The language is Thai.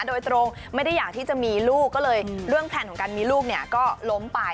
โดยตรงไม่ได้อยากที่จะมีลูกก็เลยเรื่องแพลนของการมีลูกเนี่ยก็ล้มไป